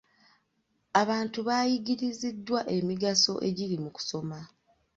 Abantu bayigiriziddwa emigaso egiri mu kusoma.